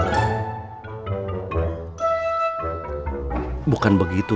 kita memang kurang baik ya pak